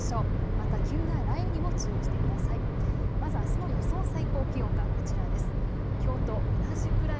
また急な雷雨にも注意してください。